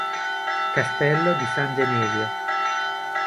Castello di San Genesio